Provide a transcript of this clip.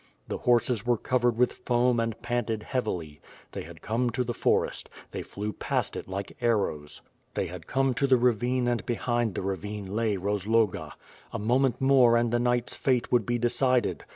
The horses were covered with foam and panted heavily. They had come to the forest. They flew past it like arrows. They had come to the ravine and behind the ravine lav Rozloga. A mo ment more and the Icnighfs fate would be decided.